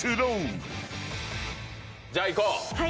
じゃあいこう。